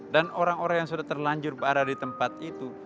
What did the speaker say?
dan orang orang yang sudah terlanjur berada di tempat itu